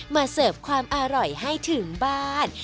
เสิร์ฟความอร่อยให้ถึงบ้าน